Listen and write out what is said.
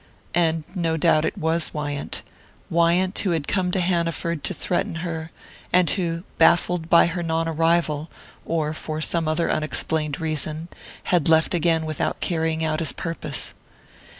And no doubt it was Wyant Wyant who had come to Hanaford to threaten her, and who, baffled by her non arrival, or for some other unexplained reason, had left again without carrying out his purpose.